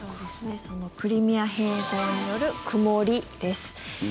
そのクリミア併合による曇りです。